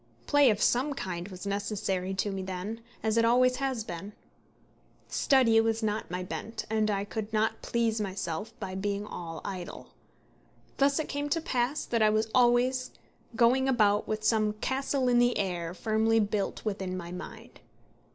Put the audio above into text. Play of some kind was necessary to me then, as it has always been. Study was not my bent, and I could not please myself by being all idle. Thus it came to pass that I was always going about with some castle in the air firmly built within my mind.